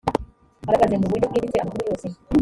agaragaze mu buryo bwimbitse amakuru yose.